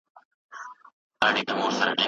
د شاهمامې ښکلا ته به